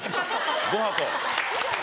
５箱。